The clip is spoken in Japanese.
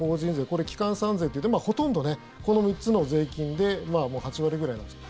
これ、基幹三税といってほとんどこの３つの税金で８割ぐらいなんです。